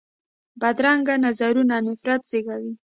بدرنګه نظرونه نفرت زېږوي